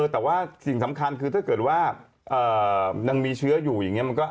แต่ว่าสิ่งสำคัญคือถ้าเกิดว่ามันมีเชื้ออยู่อย่างนี้